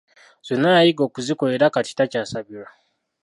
Zonna yayiga okuzikola era kati takyasabirwa.